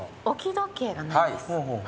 置き時計がないんです。